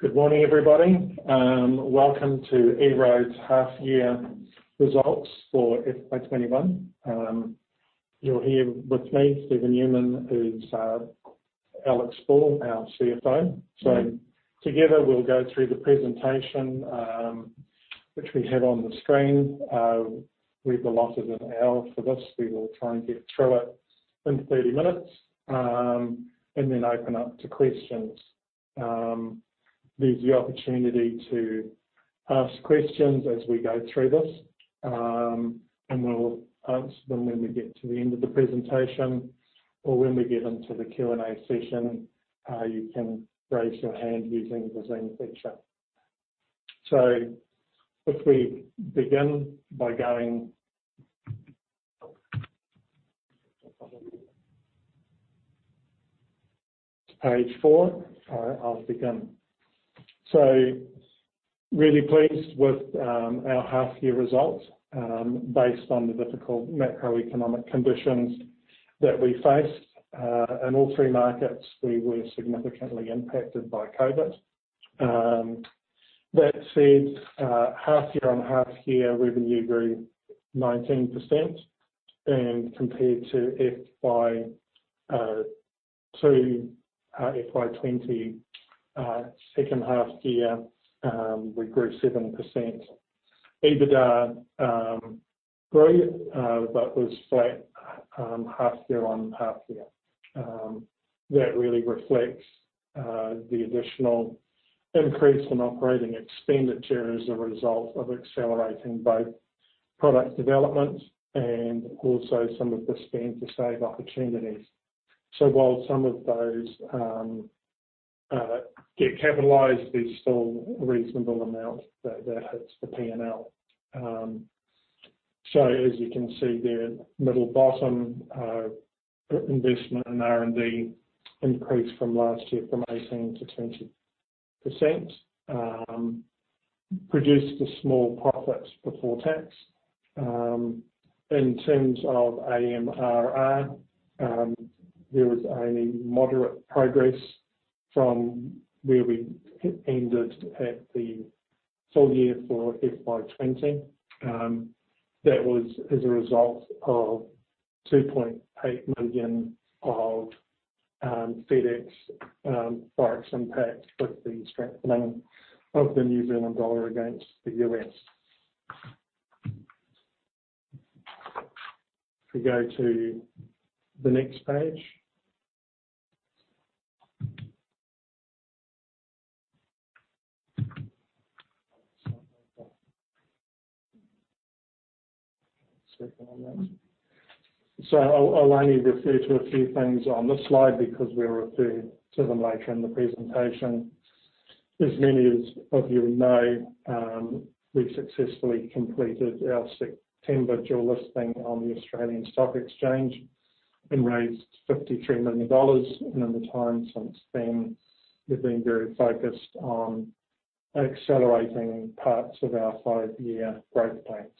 Good morning, everybody. Welcome to EROAD's half year results for FY 2021. You're here with me, Steven Newman. Who's Alex Ball, our CFO. Together we'll go through the presentation, which we have on the screen. We've allotted an hour for this. We will try and get through it in 30 minutes, and then open up to questions. There's the opportunity to ask questions as we go through this, and we'll answer them when we get to the end of the presentation. When we get into the Q&A session, you can raise your hand using the Zoom feature. If we begin by going to page four, I'll begin. Really pleased with our half year results based on the difficult macroeconomic conditions that we faced. In all three markets, we were significantly impacted by COVID. Half-year on half-year revenue grew 19%. Compared to FY 2020 second half-year, we grew 7%. EBITDA grew but was flat half-year on half-year. That really reflects the additional increase in operating expenditure as a result of accelerating both product development and also some of the spend to save opportunities. While some of those get capitalized, there is still a reasonable amount that hits the P&L. As you can see there, middle bottom, investment in R&D increased from last year from 18%-20%, produced a small profit before tax. In terms of AMRR, there was only moderate progress from where we ended at the full-year for FY 2020. That was as a result of 2.8 million of FedEx FX impact with the strengthening of the New Zealand dollar against the U.S. If we go to the next page. I'll only refer to a few things on this slide because we'll refer to them later in the presentation. As many of you will know, we've successfully completed our September dual listing on the Australian Securities Exchange and raised 53 million dollars. In the time since then, we've been very focused on accelerating parts of our five-year growth plans.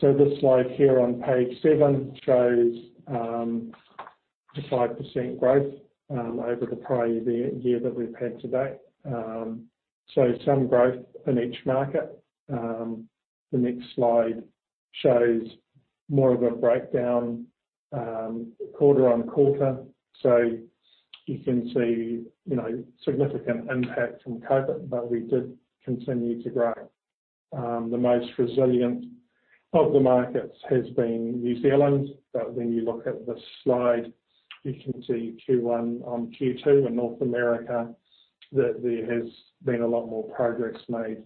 This slide here on page seven shows a 5% growth over the prior year that we've had to date. Some growth in each market. The next slide shows more of a breakdown, quarter-on-quarter. You can see significant impact from COVID, but we did continue to grow. The most resilient of the markets has been New Zealand, when you look at this slide, you can see Q1 on Q2 in North America, that there has been a lot more progress made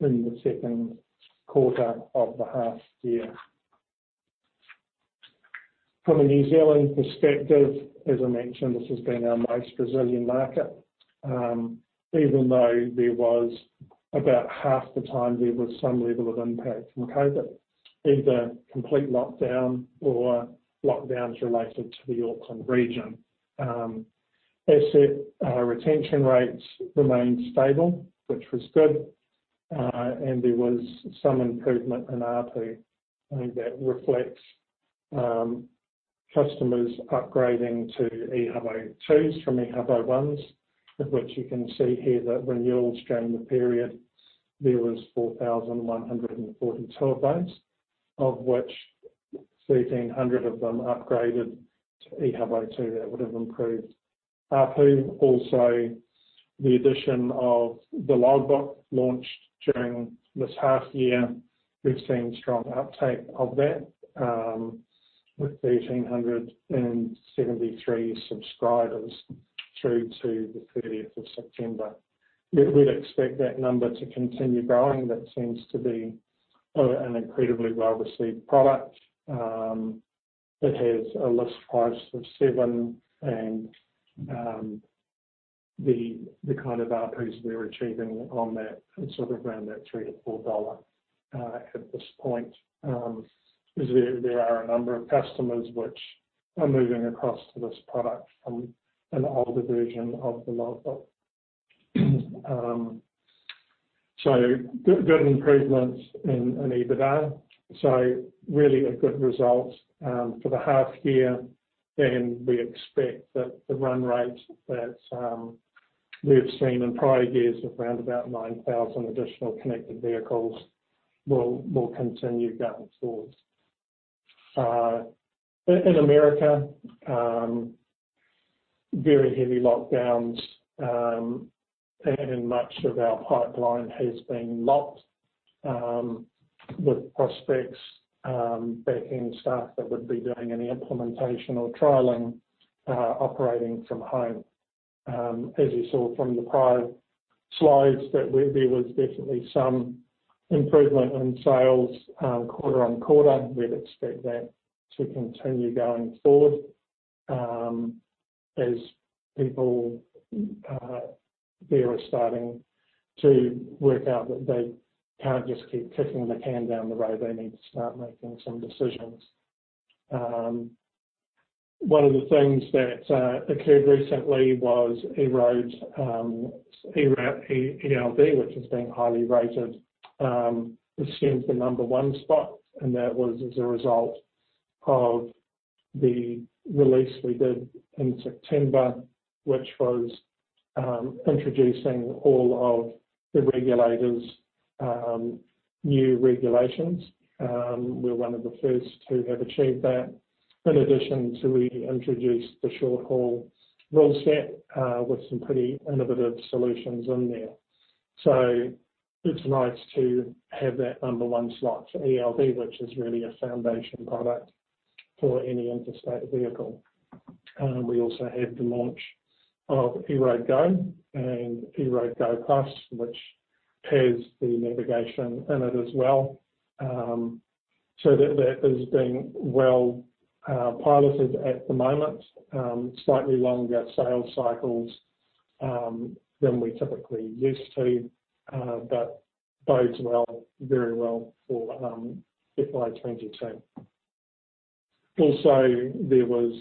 in the second quarter of the half year. From a New Zealand perspective, as I mentioned, this has been our most resilient market. Even though there was about half the time, there was some level of impact from COVID, either complete lockdown or lockdowns related to the Auckland region. Asset retention rates remained stable, which was good. There was some improvement in ARPU, and that reflects customers upgrading to Ehubo 2s from Ehubo 1s, of which you can see here that renewals during the period, there was 4,142 of those, of which 1,300 of them upgraded to Ehubo 2. That would have improved ARPU. The addition of the Logbook launched during this half year. We've seen strong uptake of that, with 1,873 subscribers through to the 30th of September. We'd expect that number to continue growing. That seems to be an incredibly well-received product. It has a list price of 7 and the kind of ARPUs we're achieving on that is around that 3-4 dollar at this point. There are a number of customers which are moving across to this product from an older version of the Logbook. Good improvements in EBITDA. Really a good result for the half year, and we expect that the run rate that we have seen in prior years of around about 9,000 additional connected vehicles will continue going forward. In America, very heavy lockdowns, much of our pipeline has been locked, with prospects, back-end staff that would be doing any implementation or trialing operating from home. As you saw from the prior slides, that there was definitely some improvement in sales quarter-on-quarter. We'd expect that to continue going forward, as people there are starting to work out that they can't just keep kicking the can down the road. They need to start making some decisions. One of the things that occurred recently was EROAD's ELD, which has been highly rated, assumed the number one spot, and that was as a result of the release we did in September, which was introducing all of the regulators' new regulations. We're one of the first to have achieved that. In addition to we introduced the short-haul rule set, with some pretty innovative solutions in there. It's nice to have that number one slot for ELD, which is really a foundation product for any interstate vehicle. We also had the launch of EROAD Go and EROAD Go+ Nav, which has the navigation in it as well. That has been well piloted at the moment. Slightly longer sales cycles than we're typically used to, but bodes very well for FY 2022. Also, there was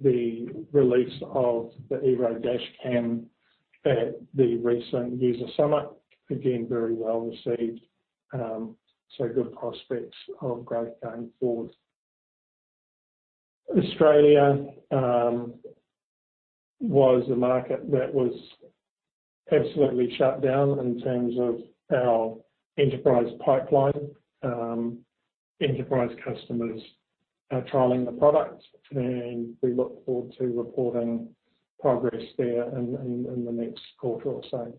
the release of the EROAD Clarity Dashcam at the recent user summit. Again, very well-received. Good prospects of growth going forward. Australia was a market that was absolutely shut down in terms of our enterprise pipeline. Enterprise customers are trialing the product, and we look forward to reporting progress there in the next quarter or so.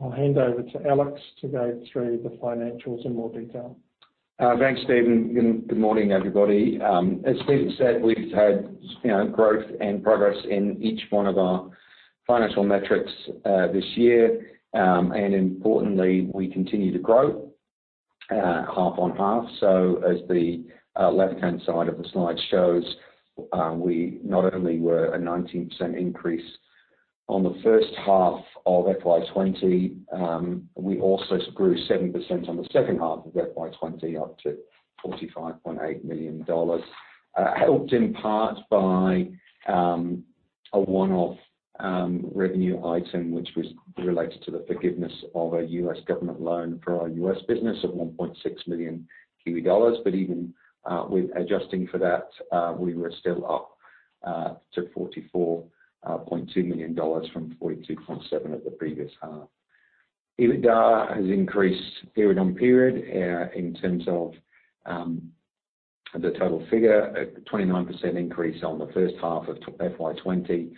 I'll hand over to Alex to go through the financials in more detail. Thanks, Steven. Good morning, everybody. As Steven said, we've had growth and progress in each one of our financial metrics this year. Importantly, we continue to grow half-on-half. As the left-hand side of the slide shows, we not only were a 19% increase on the first half of FY 2020, we also grew 7% on the second half of FY 2020, up to 45.8 million dollars. Helped in part by a one-off revenue item, which was related to the forgiveness of a U.S. government loan for our U.S. business of 1.6 million Kiwi dollars. Even with adjusting for that, we were still up to 44.2 million dollars from 42.7 million at the previous half. EBITDA has increased period on period in terms of the total figure at 29% increase on the first half of FY 2020, and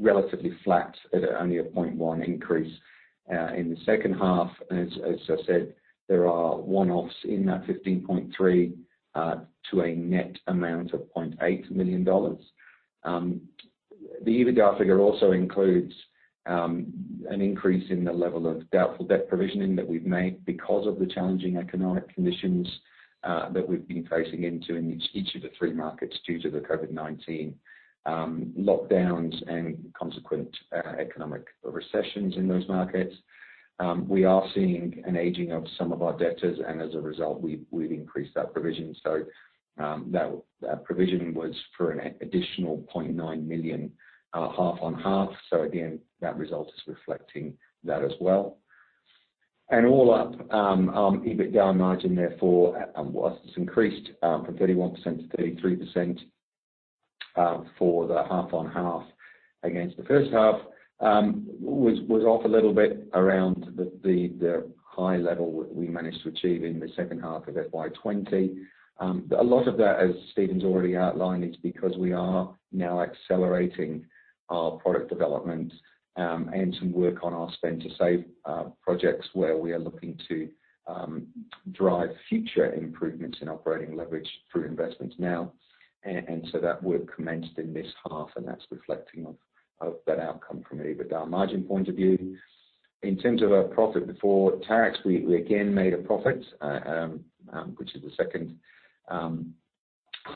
relatively flat at only a 0.1 increase in the second half. As I said, there are one-offs in that 15.3 to a net amount of 0.8 million dollars. The EBITDA figure also includes an increase in the level of doubtful debt provisioning that we've made because of the challenging economic conditions that we've been facing into in each of the three markets due to the COVID-19 lockdowns and consequent economic recessions in those markets. We are seeing an aging of some of our debtors, and as a result, we've increased our provisions. That provision was for an additional 0.9 million half-on-half. Again, that result is reflecting that as well. All up, EBITDA margin therefore has increased from 31%-33% for the half-on-half against the first half. Was off a little bit around the high level we managed to achieve in the second half of FY 2020. A lot of that, as Steven’s already outlined, is because we are now accelerating our product development and some work on our spend-to-save projects where we are looking to drive future improvements in operating leverage through investments now. That work commenced in this half, and that’s reflecting off of that outcome from an EBITDA margin point of view. In terms of our profit before tax, we again made a profit, which is the second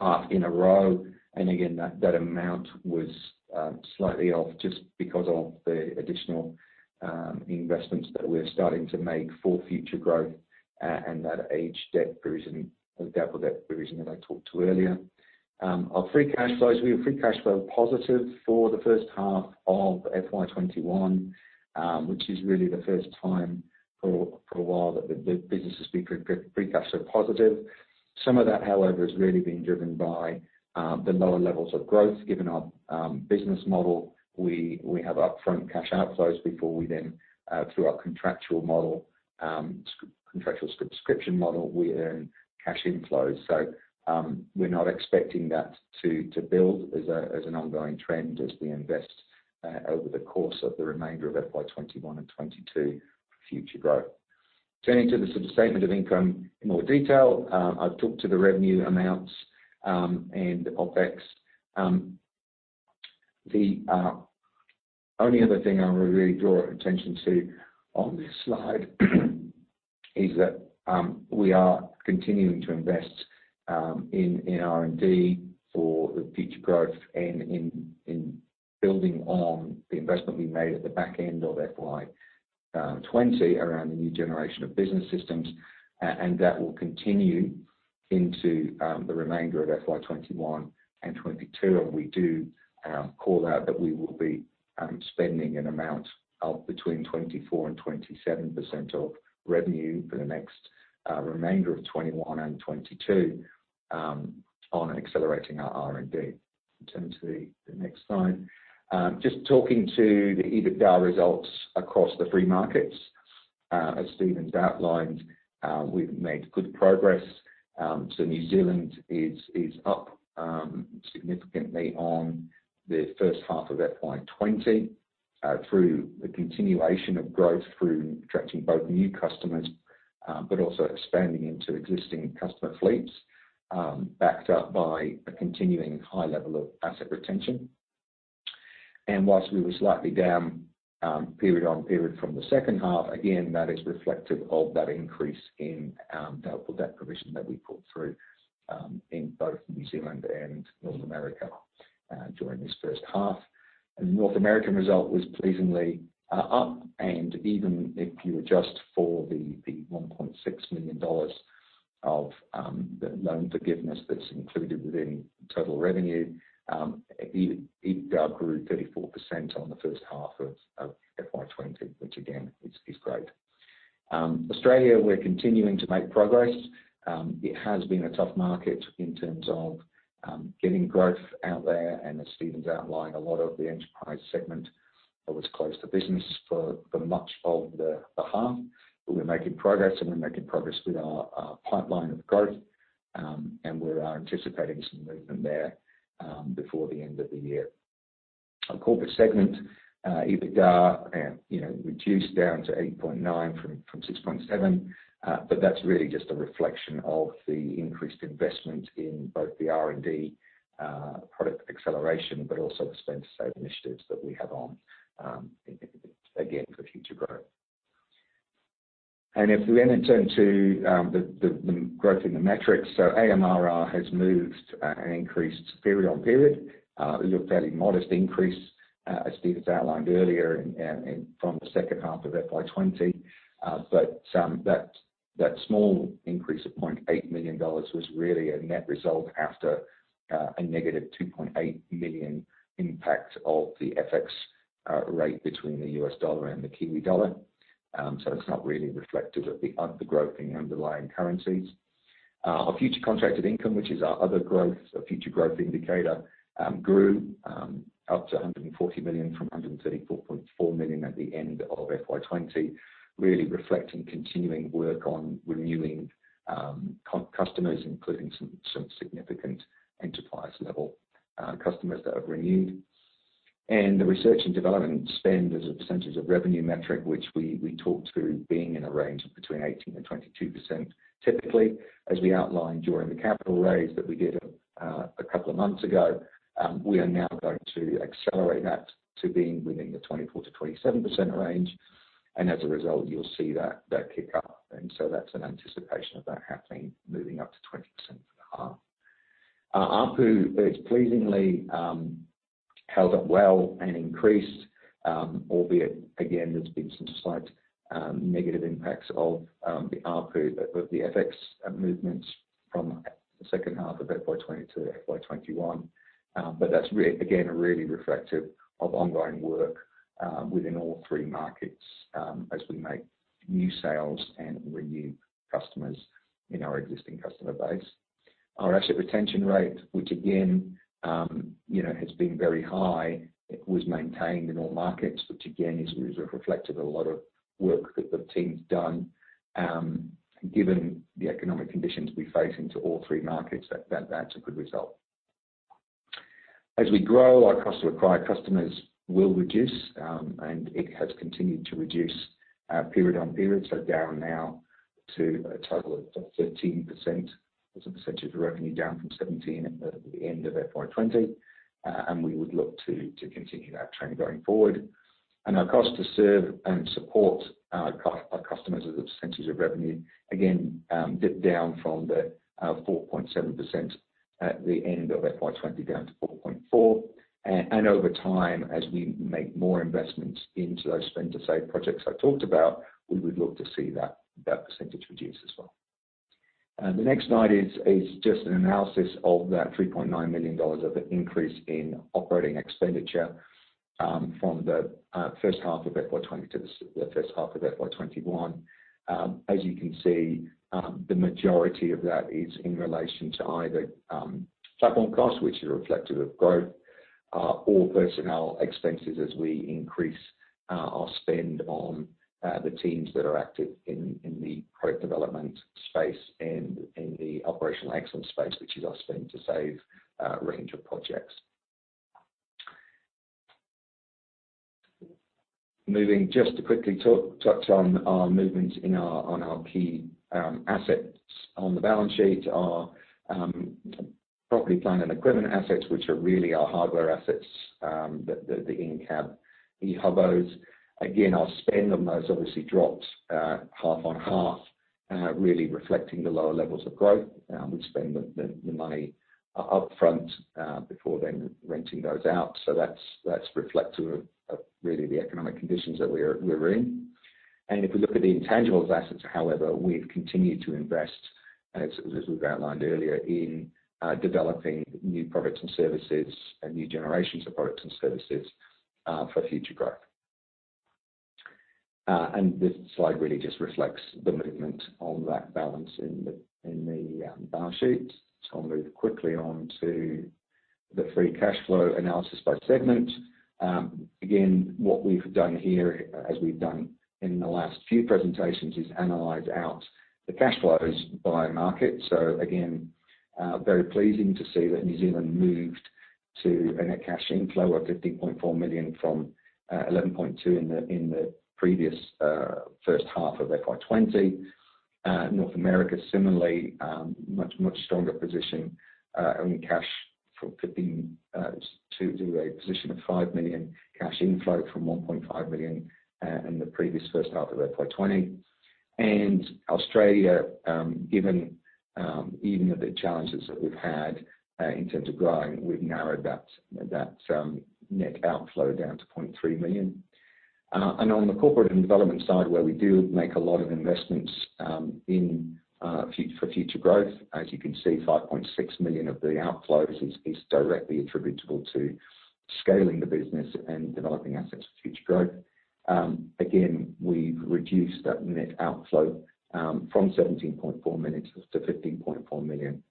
half in a row. Again, that amount was slightly off just because of the additional investments that we’re starting to make for future growth, and that aged debt provision, doubtful debt provision that I talked to earlier. Of free cash flows, we were free cash flow positive for the first half of FY 2021, which is really the first time for a while that the business has been free cash flow positive. Some of that, however, has really been driven by the lower levels of growth. Given our business model, we have upfront cash outflows before we then, through our contractual subscription model, we earn cash inflows. We're not expecting that to build as an ongoing trend as we invest over the course of the remainder of FY 2021 and FY 2022 for future growth. Turning to the sort of statement of income in more detail. I've talked to the revenue amounts and the OpEx. The only other thing I would really draw attention to on this slide is that we are continuing to invest in R&D for future growth and in building on the investment we made at the back end of FY 2020 around the new generation of business systems. That will continue into the remainder of FY 2021 and FY 2022. We do call out that we will be spending an amount of between 24% and 27% of revenue for the next remainder of 2021 and 2022 on accelerating our R&D. Turn to the next slide. Just talking to the EBITDA results across the three markets. As Steven's outlined, we've made good progress. New Zealand is up significantly on the first half of FY 2020, through the continuation of growth, through attracting both new customers, but also expanding into existing customer fleets, backed up by a continuing high level of asset retention. Whilst we were slightly down period on period from the second half, again, that is reflective of that increase in doubtful debt provision that we put through in both New Zealand and North America during this first half. The North American result was pleasingly up. Even if you adjust for the 1.6 million dollars of the loan forgiveness that's included within total revenue, EBITDA grew 34% on the first half of FY 2020, which again, is great. Australia, we're continuing to make progress. It has been a tough market in terms of getting growth out there, as Steven's outlined, a lot of the enterprise segment was closed to business for much of the half. We're making progress, we're making progress with our pipeline of growth. We're anticipating some movement there before the end of the year. Our corporate segment, EBITDA reduced down to 8.9 from 6.7. That's really just a reflection of the increased investment in both the R&D product acceleration, but also the spend to save initiatives that we have on, again, for future growth. If we turn to the growth in the metrics. AMRR has moved and increased period on period. A fairly modest increase, as Steven's outlined earlier, from the second half of FY 2020. That small increase of 0.8 million dollars was really a net result after a negative 2.8 million impact of the FX rate between the US dollar and the NZD. It is not really reflective of the growth in underlying currencies. Our future contracted income, which is our other future growth indicator, grew up to 140 million from 134.4 million at the end of FY 2020, really reflecting continuing work on renewing customers, including some significant enterprise level customers that have renewed. The research and development spend as a percentage of revenue metric, which we talk to being in a range of between 18%-22%. Typically, as we outlined during the capital raise that we did a couple of months ago, we are now going to accelerate that to being within the 24%-27% range. As a result, you'll see that kick up. That's an anticipation of that happening, moving up to 20% for the half. ARPU, it's pleasingly held up well and increased, albeit again, there's been some slight negative impacts of the ARPU with the FX movements from the second half of FY 2020-FY 2021. That's again, really reflective of ongoing work within all three markets as we make new sales and renew customers in our existing customer base. Our asset retention rate, which again has been very high, was maintained in all markets, which again is reflective of a lot of work that the team's done. Given the economic conditions we face into all three markets, that's a good result. As we grow, our cost to acquire customers will reduce, and it has continued to reduce period-on-period, so down now to a total of 13% as a percentage of revenue, down from 17% at the end of FY 2020. We would look to continue that trend going forward. Our cost to serve and support our customers as a percentage of revenue, again, dipped down from the 4.7% at the end of FY 2020 down to 4.4%. Over time, as we make more investments into those spend to save projects I talked about, we would look to see that percentage reduce as well. The next slide is just an analysis of that 3.9 million dollars of the increase in operating expenditure from the first half of FY 2020 to the first half of FY 2021. As you can see, the majority of that is in relation to either platform costs, which are reflective of growth or personnel expenses as we increase our spend on the teams that are active in the product development space and in the operational excellence space, which is our spend to save range of projects. Moving just to quickly touch on our movement on our key assets. On the balance sheet are property, plant, and equipment assets, which are really our hardware assets, the in-cab, the Ehubos. Again, our spend on those obviously dropped half-on-half, really reflecting the lower levels of growth. We spend the money upfront before then renting those out. That's reflective of really the economic conditions that we're in. If we look at the intangible assets, however, we've continued to invest, as we've outlined earlier, in developing new products and services and new generations of products and services for future growth. This slide really just reflects the movement on that balance in the balance sheet. I'll move quickly on to the free cash flow analysis by segment. Again, what we've done here, as we've done in the last few presentations, is analyze out the cash flows by market. Again, very pleasing to see that New Zealand moved to a net cash inflow of 15.4 million from 11.2 in the previous first half of FY 2020. North America, similarly, much stronger position, owing cash to a position of 5 million cash inflow from 1.5 million in the previous first half of FY 2020. Australia, even with the challenges that we've had in terms of growing, we've narrowed that net outflow down to 0.3 million. On the corporate and development side, where we do make a lot of investments for future growth, as you can see, 5.6 million of the outflows is directly attributable to scaling the business and developing assets for future growth. Again, we've reduced that net outflow from 17.4 million-15.4 million,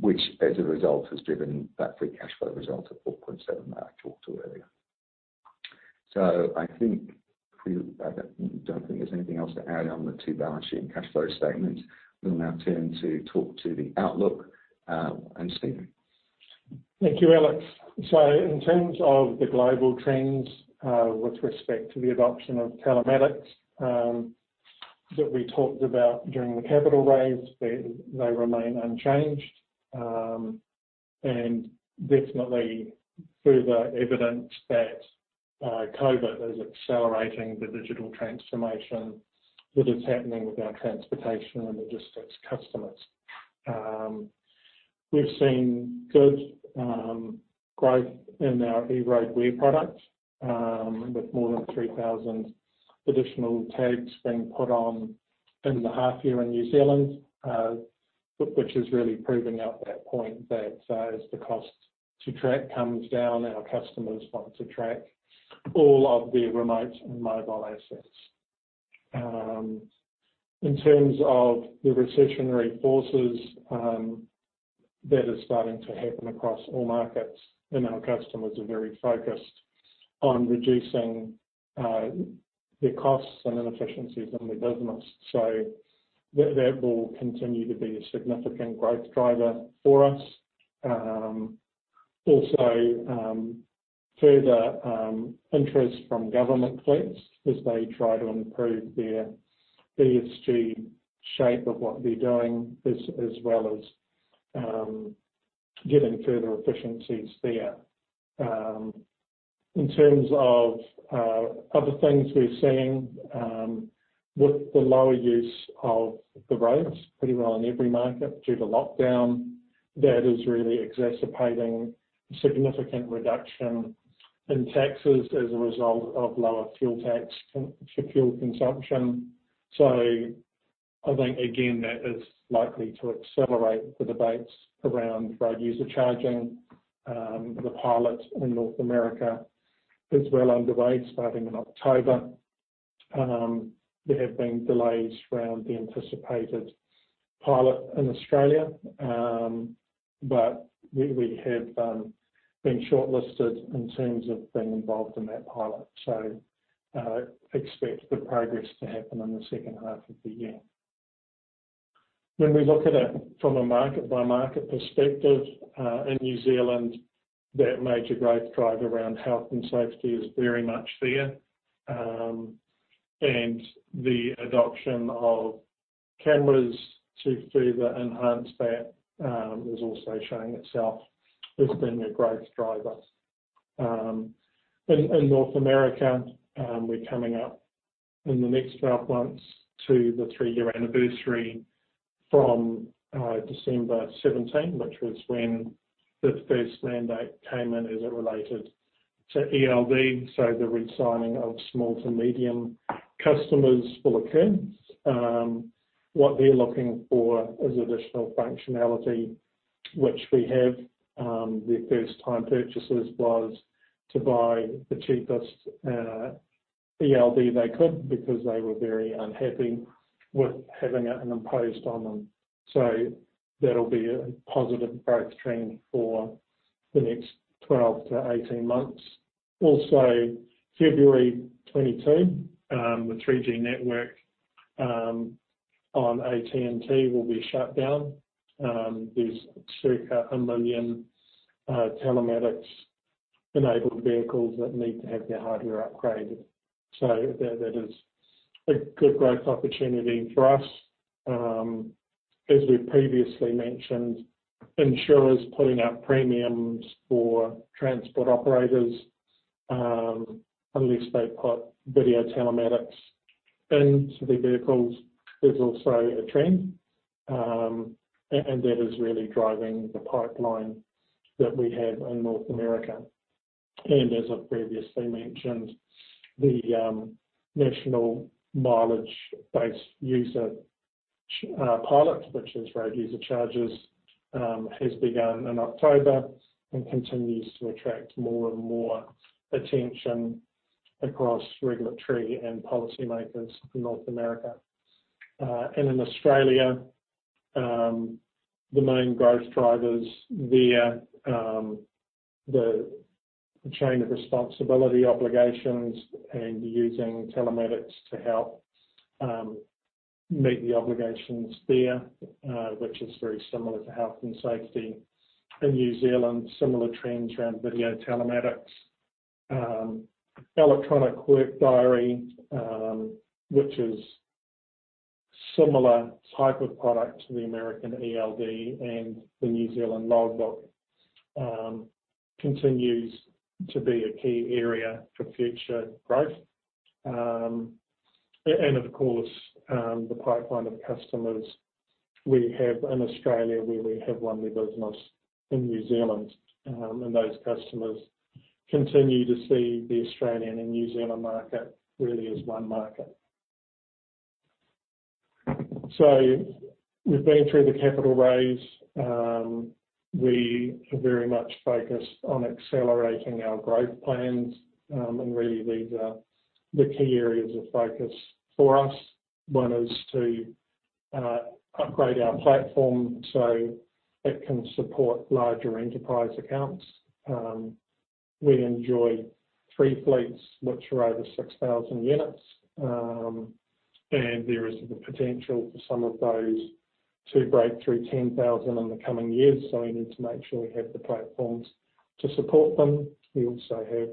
which as a result has driven that free cash flow result of 4.7 that I talked to earlier. I don't think there's anything else to add on the two balance sheet and cash flow statements. We'll now turn to talk to the outlook. Steven. Thank you, Alex. In terms of the global trends with respect to the adoption of telematics that we talked about during the capital raise, they remain unchanged. Definitely further evidence that COVID is accelerating the digital transformation that is happening with our transportation and logistics customers. We've seen good growth in our EROAD Where product with more than 3,000 additional tags being put on in the half year in New Zealand, which is really proving out that point that as the cost to track comes down, our customers want to track all of their remote and mobile assets. In terms of the recessionary forces, that is starting to happen across all markets, and our customers are very focused on reducing their costs and inefficiencies in their business. That will continue to be a significant growth driver for us. Also, further interest from government fleets as they try to improve their ESG shape of what they're doing, as well as getting further efficiencies there. In terms of other things we're seeing, with the lower use of the roads, pretty well in every market due to lockdown, that is really exacerbating significant reduction in taxes as a result of lower fuel tax for fuel consumption. I think, again, that is likely to accelerate the debates around road user charging. The pilot in North America is well underway, starting in October. There have been delays around the anticipated pilot in Australia, but we have been shortlisted in terms of being involved in that pilot, so expect the progress to happen in the second half of the year. When we look at it from a market-by-market perspective, in New Zealand, that major growth driver around health and safety is very much there. The adoption of cameras to further enhance that is also showing itself as being a growth driver. In North America, we're coming up in the next 12 months to the three year anniversary from December 2017, which was when the first mandate came in as it related to ELD, the re-signing of small to medium customers will occur. What they're looking for is additional functionality, which we have. Their first-time purchases was to buy the cheapest ELD they could, because they were very unhappy with having it imposed on them. That'll be a positive growth trend for the next 12-18 months. Also, February 22, 2022, the 3G network on AT&T will be shut down. There's circa 1 million telematics-enabled vehicles that need to have their hardware upgraded. That is a good growth opportunity for us. As we previously mentioned, insurers putting up premiums for transport operators, unless they put video telematics into their vehicles, is also a trend. That is really driving the pipeline that we have in North America. As I've previously mentioned, the national mileage-based user pilot, which is road user charges, has begun in October and continues to attract more and more attention across regulatory and policymakers in North America. In Australia, the main growth drivers via the Chain of Responsibility obligations and using telematics to help meet the obligations there, which is very similar to health and safety in New Zealand, similar trends around video telematics. Electronic work diary, which is similar type of product to the American ELD and the New Zealand logbook, continues to be a key area for future growth. Of course, the pipeline of customers we have in Australia, where we have one business in New Zealand, and those customers continue to see the Australian and New Zealand market really as one market. We've been through the capital raise. We are very much focused on accelerating our growth plans, and really these are the key areas of focus for us. One is to upgrade our platform so it can support larger enterprise accounts. We enjoy three fleets which are over 6,000 units, and there is the potential for some of those to break through 10,000 in the coming years, so we need to make sure we have the platforms to support them. We also have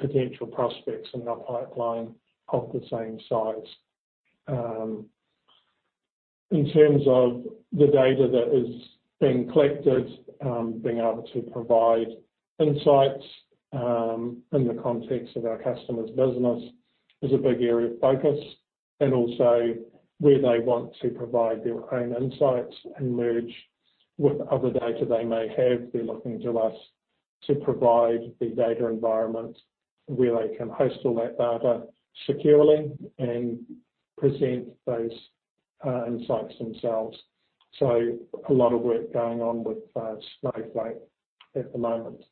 potential prospects in our pipeline of the same size. In terms of the data that is being collected, being able to provide insights in the context of our customer's business is a big area of focus, and also where they want to provide their own insights and merge with other data they may have, they're looking to us to provide the data environment where they can host all that data securely and present those insights themselves. A lot of work going on with Snowflake at the moment.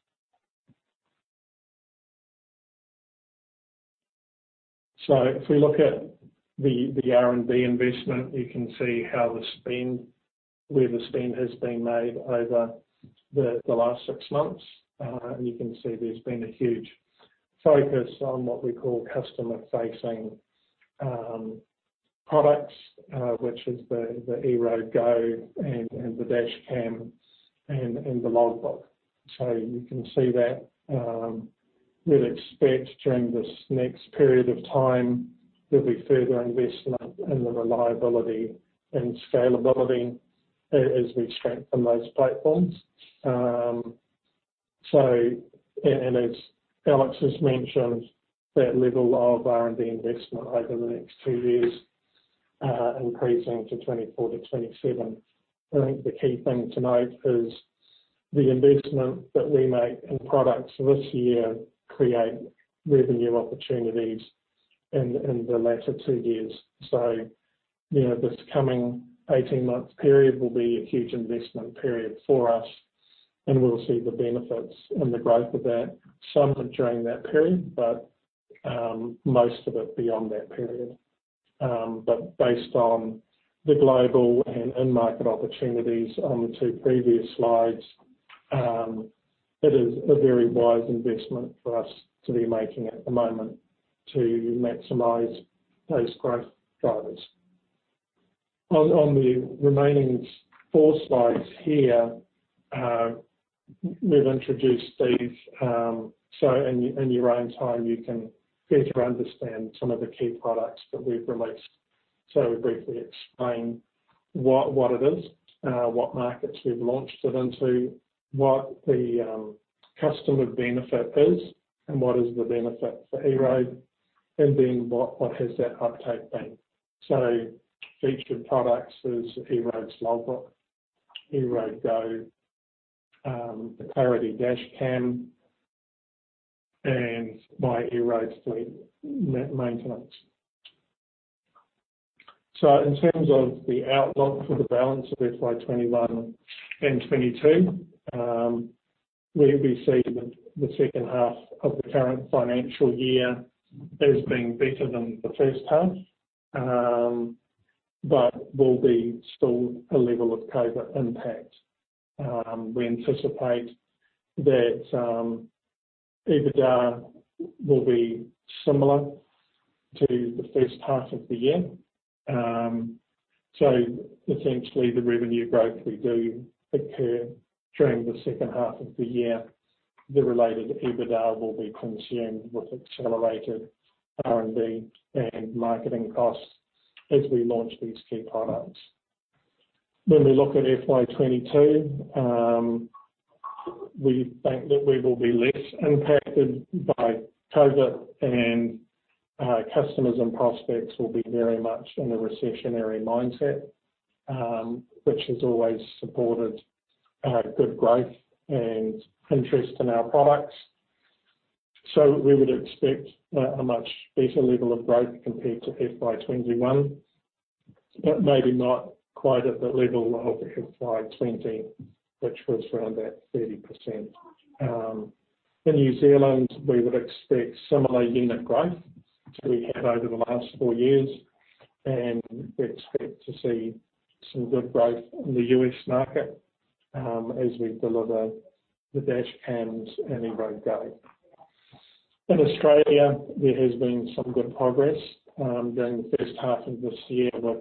If we look at the R&D investment, you can see where the spend has been made over the last six months. You can see there's been a huge focus on what we call customer-facing products, which is the EROAD Go and the dash cam and the logbook. You can see that. We'd expect during this next period of time, there'll be further investment in the reliability and scalability as we strengthen those platforms. As Alex has mentioned, that level of R&D investment over the next two years increasing to 24-27. I think the key thing to note is the investment that we make in products this year create revenue opportunities in the latter two years. This coming 18-month period will be a huge investment period for us, and we'll see the benefits and the growth of that, some of it during that period, but most of it beyond that period. Based on the global and end market opportunities on the two previous slides, it is a very wise investment for us to be making at the moment to maximize those growth drivers. On the remaining four slides here, we've introduced these, in your own time, you can better understand some of the key products that we've released. We briefly explain what it is, what markets we've launched it into, what the customer benefit is, and what is the benefit for EROAD, and then what has that uptake been. Featured products is EROAD Day Logbook, EROAD Go, the Clarity Dashcam, and MyEROAD Fleet Maintenance. In terms of the outlook for the balance of FY 2021 and FY 2022, we receive the second half of the current financial year as being better than the first half, but will be still a level of COVID impact. We anticipate that EBITDA will be similar to the first half of the year. Essentially, the revenue growth we do occur during the second half of the year, the related EBITDA will be consumed with accelerated R&D and marketing costs as we launch these key products. When we look at FY 2022, we think that we will be less impacted by COVID and customers and prospects will be very much in a recessionary mindset, which has always supported good growth and interest in our products. We would expect a much better level of growth compared to FY 2021, but maybe not quite at the level of FY 2020, which was around about 30%. In New Zealand, we would expect similar unit growth to we had over the last four years, and we expect to see some good growth in the U.S. market as we deliver the dashcams and EROAD Go. In Australia, there has been some good progress during the first half of this year with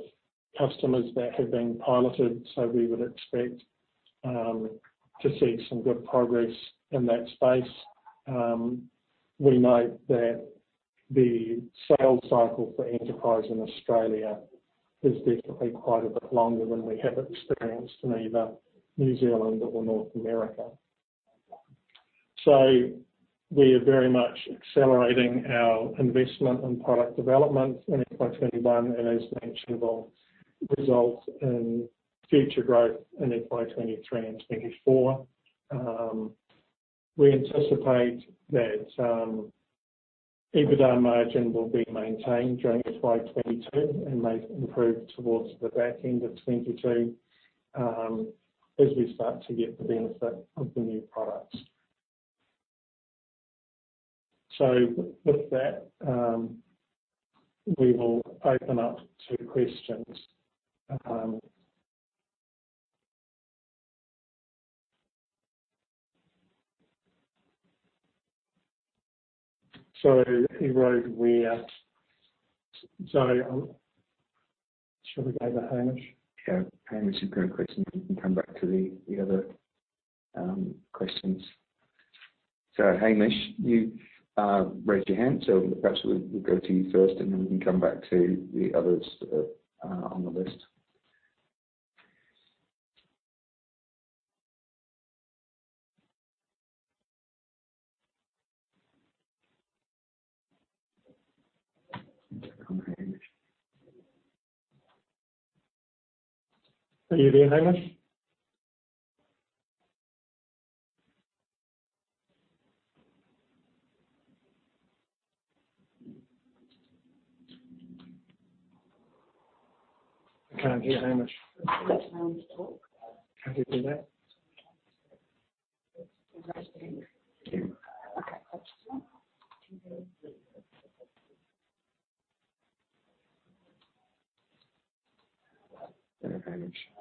customers that have been piloted, we would expect to see some good progress in that space. We note that the sales cycle for Enterprise in Australia is definitely quite a bit longer than we have experienced in either New Zealand or North America. We are very much accelerating our investment in product development in FY 2021, and as mentionable, results in future growth in FY 2023 and FY 2024. We anticipate that EBITDA margin will be maintained during FY 2022 and may improve towards the back end of 2022 as we start to get the benefit of the new products. With that, we will open up to questions. EROAD Sorry, shall we go to Hamish? Yeah. Hamish, you've got a question. We can come back to the other questions. Hamish, you raised your hand, so perhaps we'll go to you first, and then we can come back to the others on the list. Come on, Hamish. Are you there, Hamish? I can't hear Hamish. Can Hamish talk? Can you hear now? He's resting. Okay. There, Hamish. Yeah.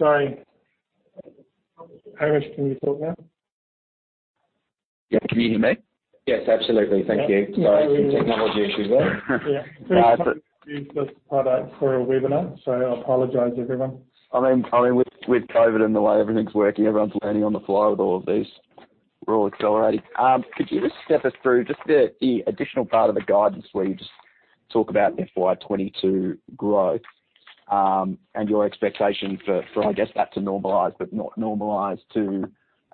Sorry, Hamish, can you talk now? Yeah, can you hear me? Yes, absolutely. Thank you. Yeah. Sorry for the technology issues there. Yeah. Please come and use this product for a webinar. I apologize, everyone. I mean, with COVID and the way everything's working, everyone's learning on the fly with all of these. We're all accelerating. Could you just step us through just the additional part of the guidance where you just talk about FY 2022 growth? Your expectation for, I guess, that to normalize, but not normalize to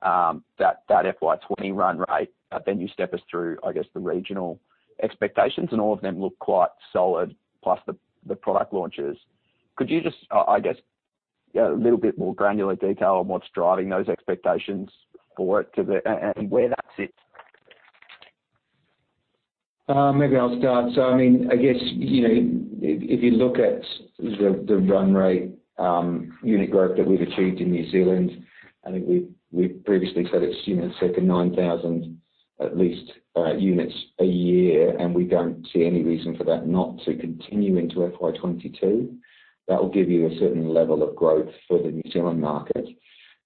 that FY 2020 run rate. You step us through, I guess, the regional expectations, and all of them look quite solid, plus the product launches. Could you just, I guess, a little bit more granular detail on what's driving those expectations where that sits? Maybe I'll start. I guess, if you look at the run rate unit growth that we've achieved in New Zealand, I think we previously said it's sitting at 9,000 at least units a year, and we don't see any reason for that not to continue into FY 2022. That will give you a certain level of growth for the New Zealand market.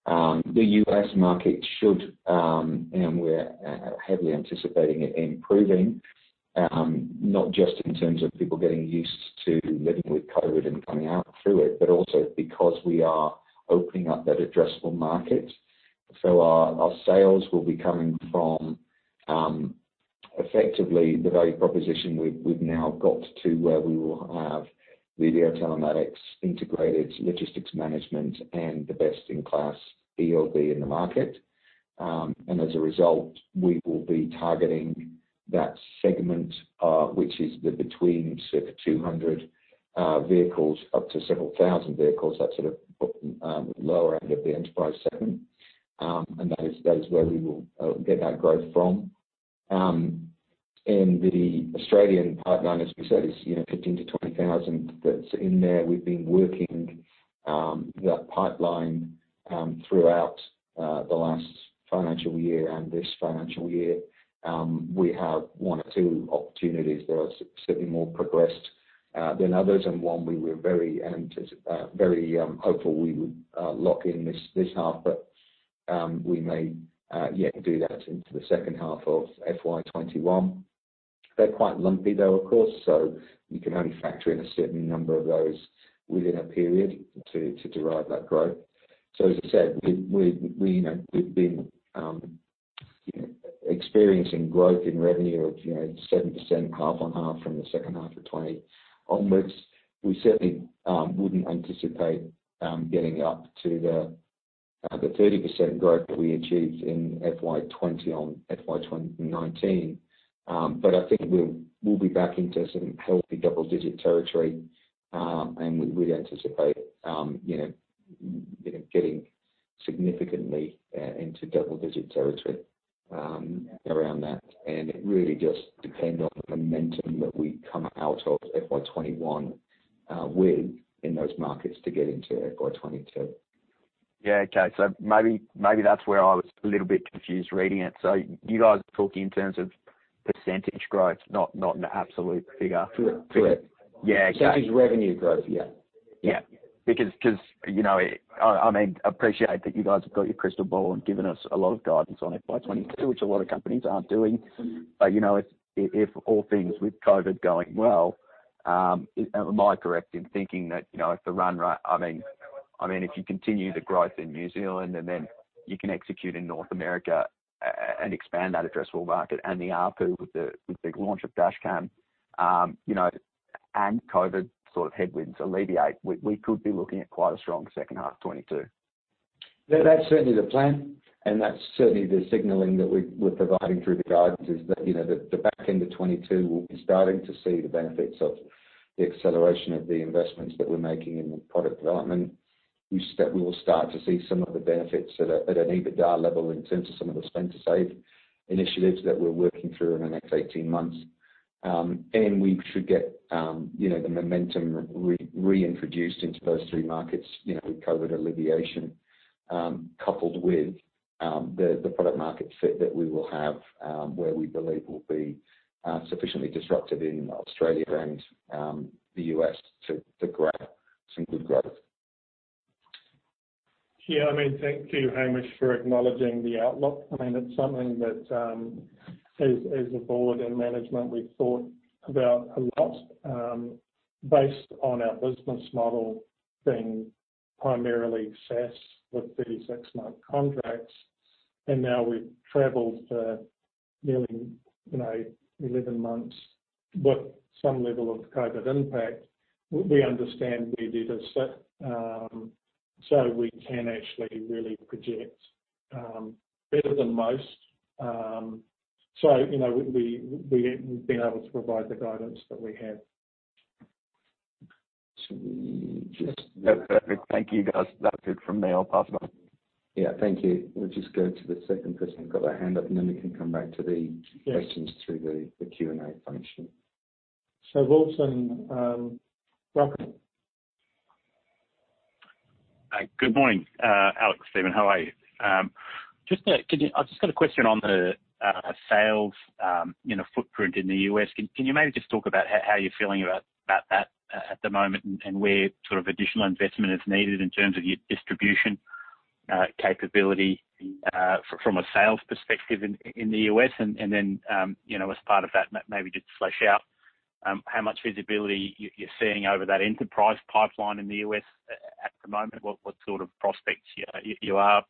The U.S. market should, and we're heavily anticipating it improving, not just in terms of people getting used to living with COVID and coming out through it, but also because we are opening up that addressable market. Our sales will be coming from effectively the value proposition we've now got to where we will have the telematics integrated logistics management and the best-in-class ELD in the market. As a result, we will be targeting that segment, which is the between sort of 200 vehicles up to several thousand vehicles. That's sort of lower end of the enterprise segment. That is where we will get that growth from. The Australian pipeline, as we said, is 15,000-20,000 that's in there. We've been working that pipeline throughout the last financial year and this financial year. We have one or two opportunities that are certainly more progressed than others, and one we were very hopeful we would lock in this half, but we may yet do that into the second half of FY 2021. They're quite lumpy though, of course, so you can only factor in a certain number of those within a period to derive that growth. As I said, we've been experiencing growth in revenue of 7% half-on-half from the second half of 2020 onwards. We certainly wouldn't anticipate getting up to the 30% growth that we achieved in FY 2020 on FY 2019. I think we'll be back into some healthy double-digit territory. We'd anticipate getting significantly into double-digit territory around that. It really just depends on the momentum that we come out of FY 2021 with in those markets to get into FY 2022. Yeah. Okay. Maybe that's where I was a little bit confused reading it. You guys are talking in terms of percentage growth, not in the absolute figure? Correct. Yeah. Okay. Percentage revenue growth. Yeah. Yeah. I appreciate that you guys have got your crystal ball and given us a lot of guidance on FY 2022, which a lot of companies aren't doing. But, if all things with COVID going well, am I correct in thinking that if you continue the growth in New Zealand and then you can execute in North America, and expand that addressable market and the ARPU with the big launch of Dashcam, and COVID sort of headwinds alleviate, we could be looking at quite a strong second half 2022. That's certainly the plan, and that's certainly the signaling that we're providing through the guidance is that, the back end of 2022, we'll be starting to see the benefits of the acceleration of the investments that we're making in the product development. We expect we will start to see some of the benefits at an EBITDA level in terms of some of the spend to save initiatives that we're working through in the next 18 months. We should get the momentum reintroduced into those three markets, with COVID alleviation, coupled with the product market fit that we will have, where we believe we'll be sufficiently disruptive in Australia and the U.S. to grab some good growth. Yeah. Thank you, Hamish, for acknowledging the outlook. It's something that, as a board and management, we've thought about a lot, based on our business model being primarily SaaS with 36-month contracts. Now we've traveled for nearly 11 months with some level of COVID impact. We understand where data sit. We can actually really project better than most. We've been able to provide the guidance that we have. Should we just- No. Perfect. Thank you, guys. That's it from me. I'll pass it on. Yeah. Thank you. We'll just go to the second person who's got their hand up, then we can come back to the questions through the Q&A function. Wilson, welcome. Good morning. Alex, Steven, how are you? I've just got a question on the sales footprint in the U.S. Can you maybe just talk about how you're feeling about that at the moment and where additional investment is needed in terms of your distribution capability from a sales perspective in the U.S.? As part of that, maybe just flesh out how much visibility you're seeing over that enterprise pipeline in the U.S. at the moment. What sort of prospects you are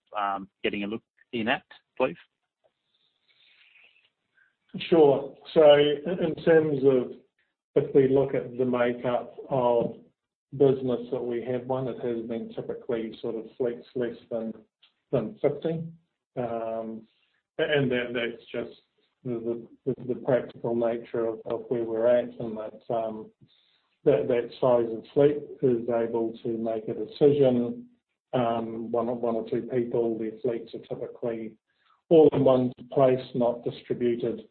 getting a look in at, please? Sure. In terms of if we look at the makeup of business that we have, one that has been typically sort of fleets less than 50. That's just the practical nature of where we're at, and that size of fleet is able to make a decision, one or two people. The fleets are typically all in one place, not distributed.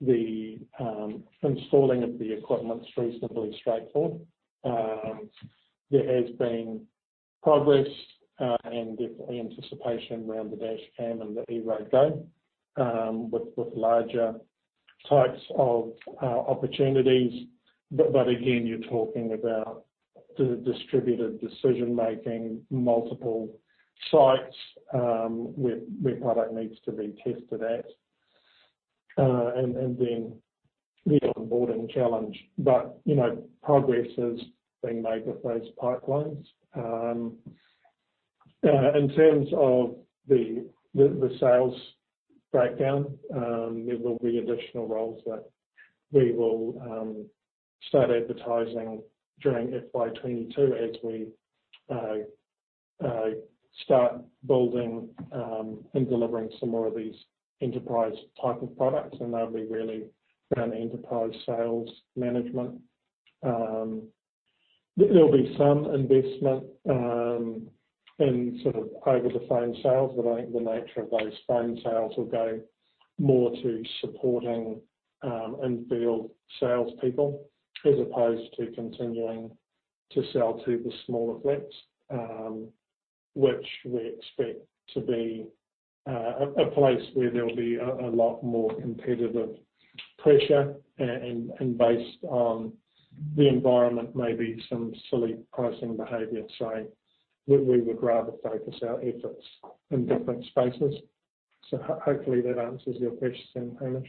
The installing of the equipment's reasonably straightforward. There has been progress, and definitely anticipation around the dashcam and the EROAD Go with larger types of opportunities. Again, you're talking about the distributed decision-making, multiple sites where product needs to be tested at. And then the onboarding challenge. Progress is being made with those pipelines. In terms of the sales breakdown, there will be additional roles that we will start advertising during FY 2022 as we start building and delivering some more of these enterprise type of products, and they'll be really around enterprise sales management. There'll be some investment in over-the-phone sales. I think the nature of those phone sales will go more to supporting in-field salespeople, as opposed to continuing to sell to the smaller fleets, which we expect to be a place where there will be a lot more competitive pressure, and based on the environment, maybe some silly pricing behavior. We would rather focus our efforts in different spaces. Hopefully that answers your question, Hamish.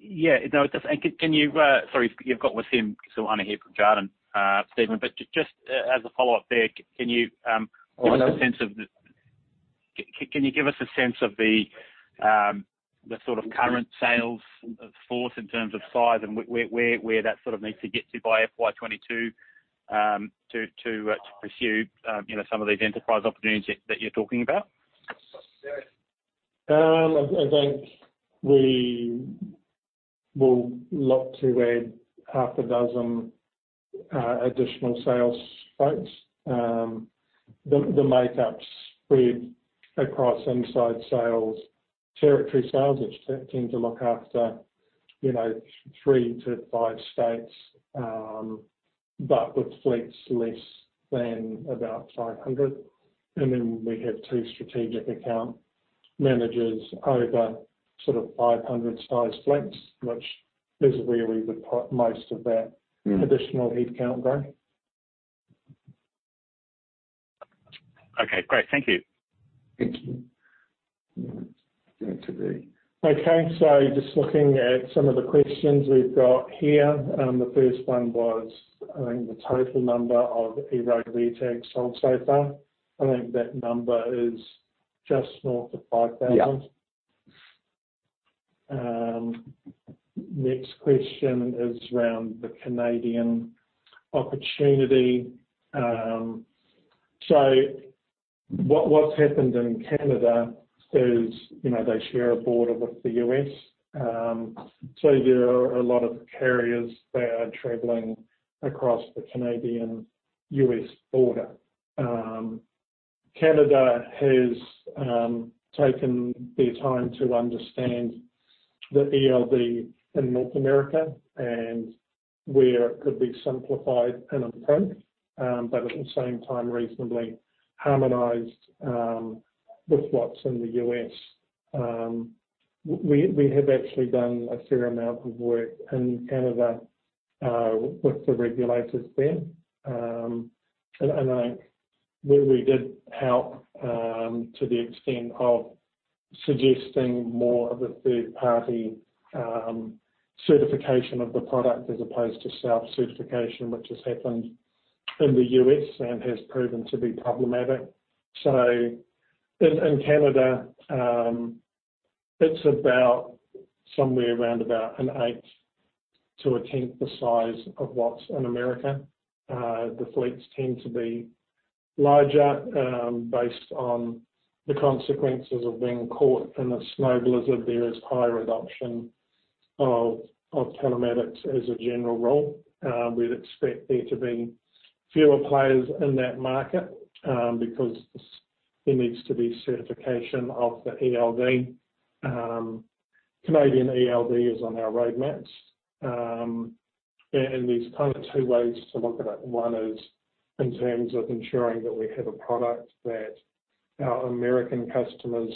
Yeah. No, it does. Anna here from Jarden, Steven. Just as a follow-up there, can you? Go ahead. Give us a sense of the sort of current sales force in terms of size and where that sort of needs to get to by FY 2022 to pursue some of these enterprise opportunities that you're talking about? I think we will look to add half a dozen additional sales folks. The makeup spread across inside sales, territory sales, which tend to look after three to five states, but with fleets less than about 500. We have two strategic account managers over sort of 500-size fleets, which is where we would put most of that additional headcount going. Okay, great. Thank you. Thank you. That should be okay. Just looking at some of the questions we've got here. The first one was, I think, the total number of EROAD Where tags sold so far. I think that number is just north of 5,000. Yeah. Next question is around the Canadian opportunity. What's happened in Canada is, they share a border with the U.S., there are a lot of carriers that are traveling across the Canadian-U.S. border. Canada has taken their time to understand the ELD in North America and where it could be simplified and improved, but at the same time, reasonably harmonized with what's in the U.S. We have actually done a fair amount of work in Canada with the regulators there. I think where we did help, to the extent of suggesting more of a third-party certification of the product as opposed to self-certification, which has happened in the U.S. and has proven to be problematic. In Canada, it's about somewhere around about an eighth to a tenth the size of what's in America. The fleets tend to be larger, based on the consequences of being caught in a snow blizzard. There is higher adoption of telematics as a general rule. We'd expect there to be fewer players in that market, because there needs to be certification of the ELD. Canadian ELD is on our roadmap. There's kind of two ways to look at it. One is in terms of ensuring that we have a product that our U.S. customers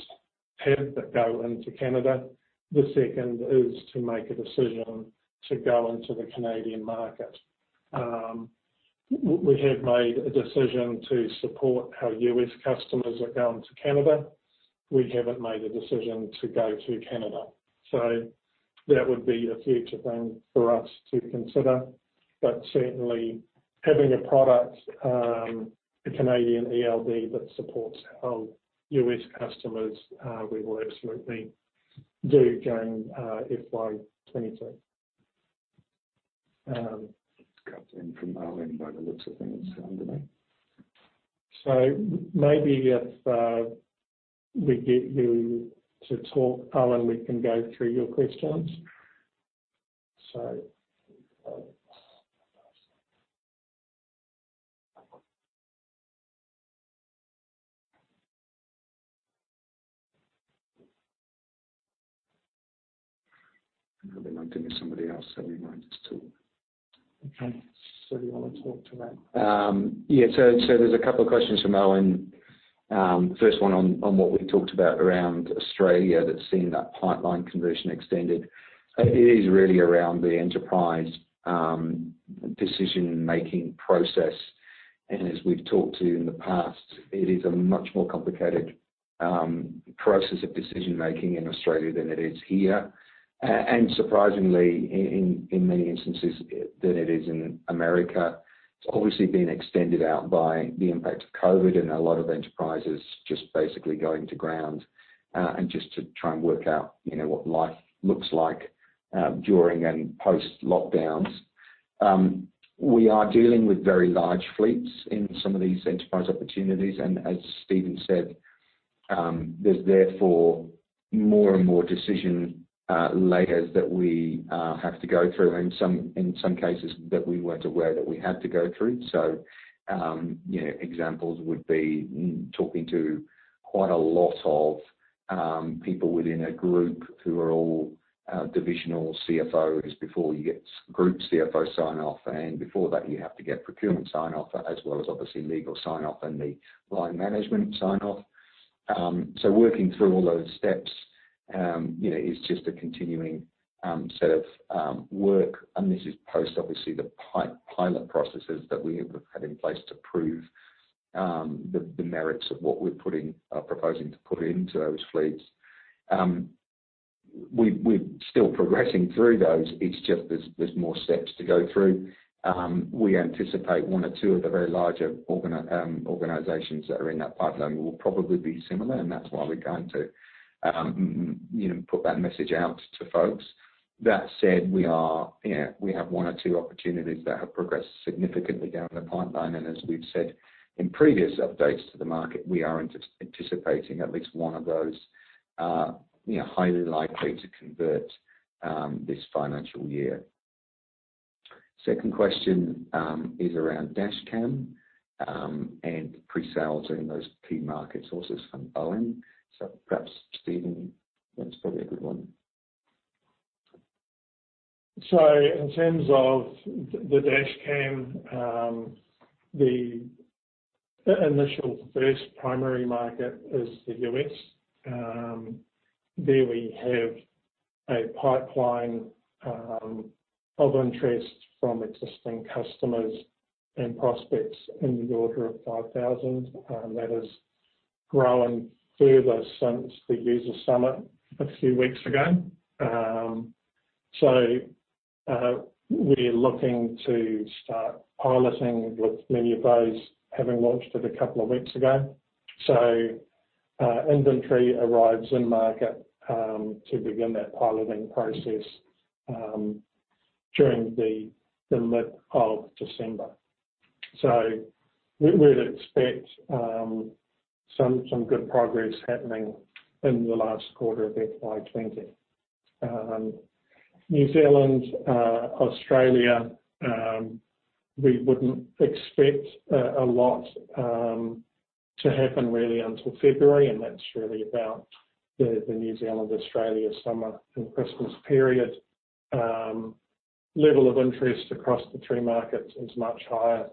have that go into Canada. The second is to make a decision to go into the Canadian market. We have made a decision to support our U.S. customers that go into Canada. We haven't made a decision to go to Canada. That would be a future thing for us to consider. Certainly having a product, a Canadian ELD that supports our U.S. customers, we will absolutely do during FY 2022. It's come in from Owen by the looks of things down to me. Maybe if we get you to talk, Owen, we can go through your questions. I think they might think it's somebody else that we might just talk. Okay. Do you want to talk to that? Yeah. There's a couple of questions from Owen. First one on what we talked about around Australia that's seen that pipeline conversion extended. It is really around the enterprise decision-making process. As we've talked to in the past, it is a much more complicated process of decision-making in Australia than it is here. Surprisingly, in many instances, than it is in America. It's obviously been extended out by the impact of COVID and a lot of enterprises just basically going to ground and just to try and work out what life looks like during and post-lockdowns. We are dealing with very large fleets in some of these enterprise opportunities. As Steven said, there's therefore more and more decision layers that we have to go through, and in some cases, that we weren't aware that we had to go through. Examples would be talking to quite a lot of people within a group who are all divisional CFOs before you get group CFO sign-off, and before that, you have to get procurement sign-off, as well as obviously legal sign-off and the line management sign-off. Working through all those steps is just a continuing set of work. This is post, obviously, the pilot processes that we have had in place to prove the merits of what we're proposing to put into those fleets. We're still progressing through those. It's just there's more steps to go through. We anticipate one or two of the very larger organizations that are in that pipeline will probably be similar, and that's why we're going to put that message out to folks. That said, we have one or two opportunities that have progressed significantly down the pipeline. As we've said in previous updates to the market, we are anticipating at least one of those are highly likely to convert this financial year. Second question is around dash cam and pre-sales in those key markets, also from Owen. Perhaps Steven, that's probably a good one. In terms of the dashcam, the initial first primary market is the U.S. There we have a pipeline of interest from existing customers and prospects in the order of 5,000. That has grown further since the user summit a few weeks ago. We're looking to start piloting with many of those having launched it a couple of weeks ago. Inventory arrives in market to begin that piloting process during the mid of December. We'd expect some good progress happening in the last quarter of FY 2020. New Zealand, Australia, we wouldn't expect a lot to happen really until February, and that's really about the New Zealand, Australia summer and Christmas period. Level of interest across the three markets is much higher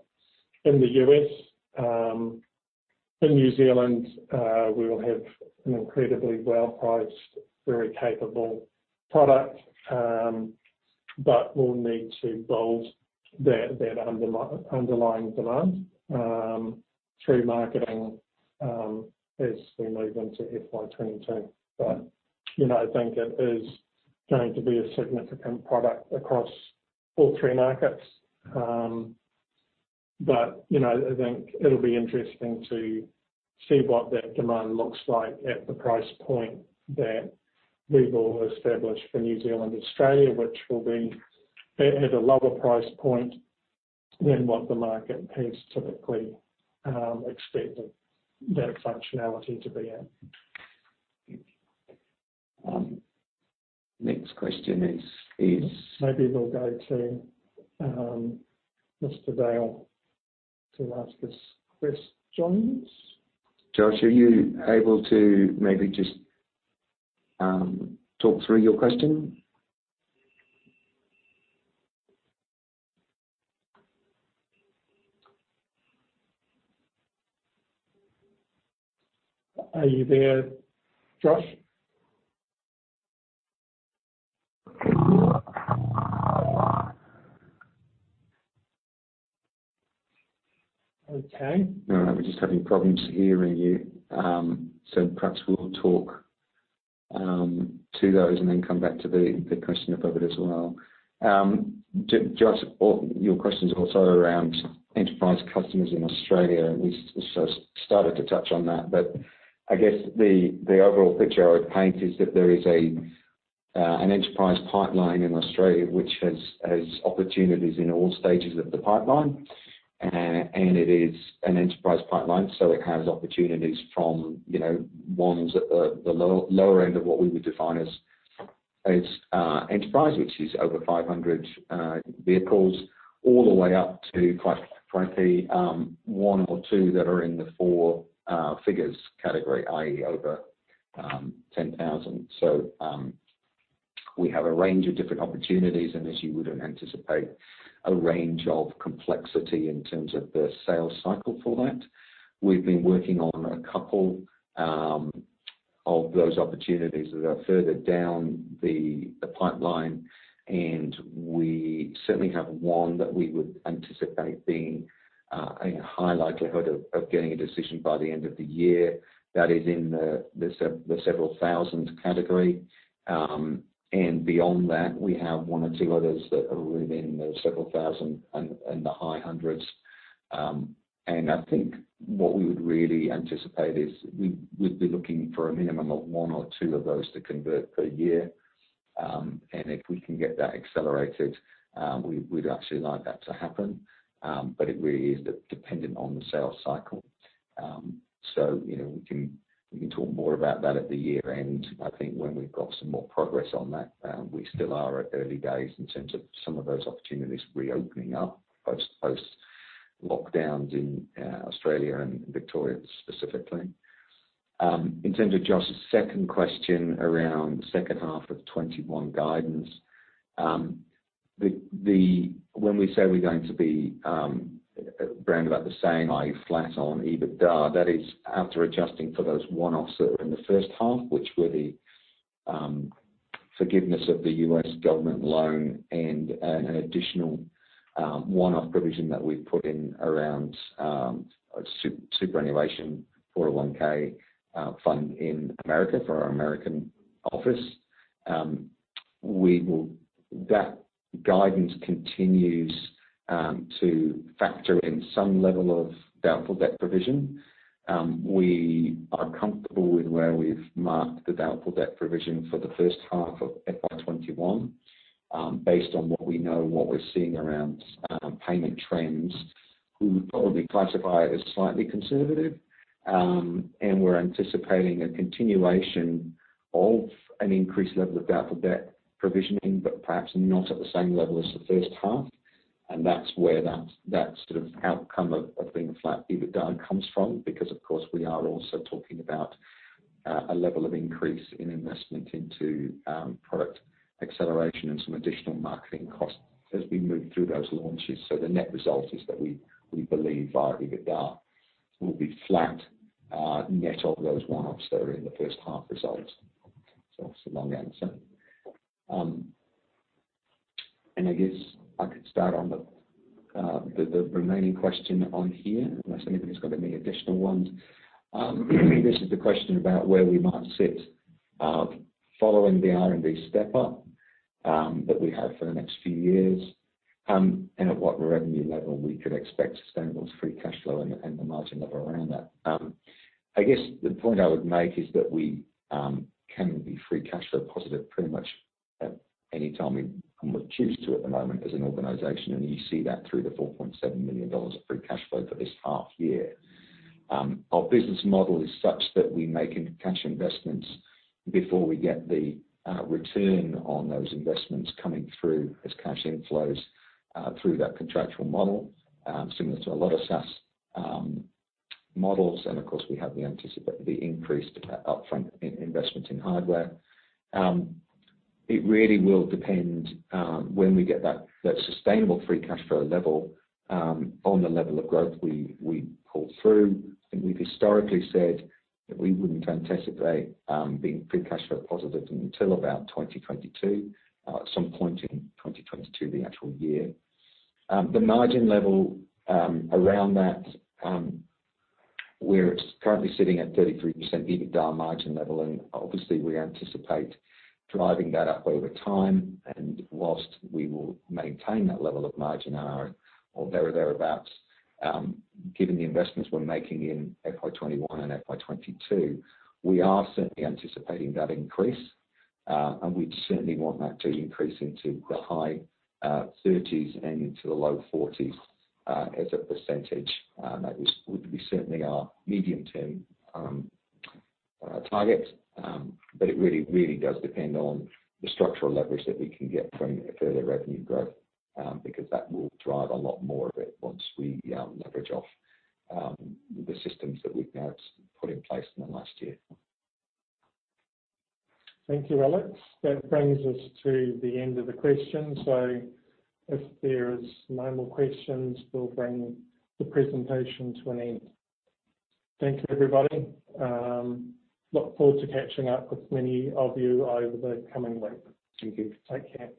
in the U.S. In New Zealand, we will have an incredibly well-priced, very capable product, we'll need to build that underlying demand through marketing as we move into FY 2022. I think it is going to be a significant product across all three markets. I think it'll be interesting to see what that demand looks like at the price point that we've established for New Zealand, Australia, which will be at a lower price point than what the market pays typically expecting that functionality to be at. Next question is. Maybe we'll go to Mr. Ball to ask his questions. Josh, are you able to maybe just talk through your question? Are you there, Josh? Okay. No, we're just having problems hearing you. Perhaps we'll talk to those and then come back to the question above it as well. Josh, your question's also around enterprise customers in Australia. We started to touch on that. I guess the overall picture I would paint is that there is an enterprise pipeline in Australia which has opportunities in all stages of the pipeline. It is an enterprise pipeline, so it has opportunities from ones at the lower end of what we would define as enterprise, which is over 500 vehicles, all the way up to frankly, one or two that are in the four figures category, i.e. over 10,000. We have a range of different opportunities, and as you would anticipate, a range of complexity in terms of the sales cycle for that. We've been working on a couple of those opportunities that are further down the pipeline. We certainly have one that we would anticipate being a high likelihood of getting a decision by the end of the year. That is in the several thousand category. Beyond that, we have one or two others that are within the several thousand and the high hundreds. I think what we would really anticipate is we'd be looking for a minimum of one or two of those to convert per year. If we can get that accelerated, we'd actually like that to happen. It really is dependent on the sales cycle. We can talk more about that at the year-end, I think, when we've got some more progress on that. We still are at early days in terms of some of those opportunities reopening up post lockdowns in Australia and Victoria specifically. In terms of Josh's second question around the second half of 2021 guidance. When we say we're going to be around about the same, i.e., flat on EBITDA, that is after adjusting for those one-offs that were in the first half, which were the forgiveness of the U.S. government loan and an additional one-off provision that we put in around a superannuation 401(k) fund in America for our American office. That guidance continues to factor in some level of doubtful debt provision. We are comfortable with where we've marked the doubtful debt provision for the first half of FY 2021. Based on what we know and what we're seeing around payment trends, we would probably classify it as slightly conservative. We're anticipating a continuation of an increased level of doubtful debt provisioning, but perhaps not at the same level as the first half. That's where that sort of outcome of being a flat EBITDA comes from, because of course, we are also talking about a level of increase in investment into product acceleration and some additional marketing costs as we move through those launches. The net result is that we believe our EBITDA will be flat net of those one-offs that are in the first half results. That's the long answer. I guess I could start on the remaining question on here, unless anybody's got any additional ones. This is the question about where we might sit following the R&D step-up that we have for the next few years, and at what revenue level we could expect sustainable free cash flow and the margin level around that. I guess the point I would make is that we can be free cash flow positive pretty much at any time we choose to at the moment as an organization, and you see that through the 4.7 million dollars of free cash flow for this half year. Our business model is such that we make cash investments before we get the return on those investments coming through as cash inflows through that contractual model, similar to a lot of SaaS models. Of course, we have the increased upfront investments in hardware. It really will depend when we get that sustainable free cash flow level on the level of growth we pull through. I think we've historically said that we wouldn't anticipate being free cash flow positive until about 2022, at some point in 2022, the actual year. The margin level around that, where it's currently sitting at 33% EBITDA margin level, and obviously, we anticipate driving that up over time. Whilst we will maintain that level of margin or thereabouts, given the investments we're making in FY 2021 and FY 2022, we are certainly anticipating that increase. We'd certainly want that to increase into the high 30s and into the low 40s as a percentage. That would be certainly our medium-term target. It really does depend on the structural leverage that we can get from further revenue growth, because that will drive a lot more of it once we leverage off the systems that we've now put in place in the last year. Thank you, Alex. That brings us to the end of the questions. If there is no more questions, we'll bring the presentation to an end. Thank you, everybody. Look forward to catching up with many of you over the coming week. Thank you. Take care.